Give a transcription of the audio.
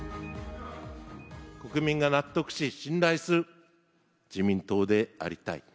国民が納得し、信頼する自民党でありたい。